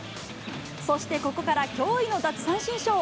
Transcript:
そしてここから驚異の奪三振ショー。